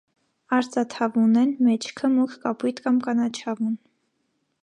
Արծաթավուն են, մեջքը՝ մուգ կապույտ կամ կանաչավուն։